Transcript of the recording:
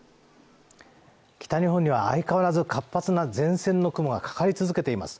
北日本には相変わらず活発な前線の雲がかかり続けています